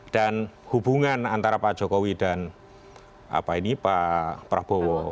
dan hubungan antara pak jokowi dan pak prabowo